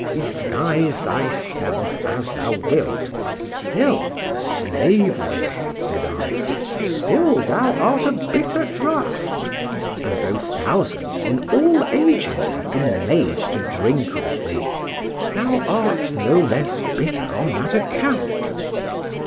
Disguise thyself as thou wilt, still, Slavery! said I,—still thou art a bitter draught! and though thousands in all ages have been made to drink of thee, thou art no less bitter on that account.